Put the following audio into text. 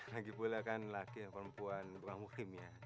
lagipula kan laki laki perempuan bukan muhim ya